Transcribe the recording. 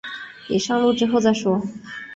你上路之后再说